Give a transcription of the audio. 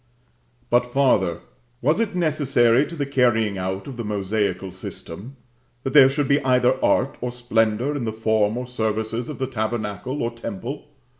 8. VI. But farther, was it necessary to the carrying out of the Mosaical system, that there should be either art or splendor in the form or services of the tabernacle or temple?